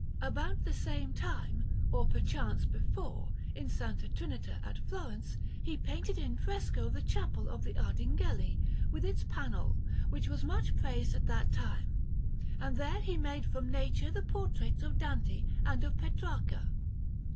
About the same time, or perchance before, in S. Trinita at Florence, he painted in fresco the Chapel of the Ardinghelli, with its panel, which was much praised at that time; and there he made from nature the portraits of Dante and of Petrarca.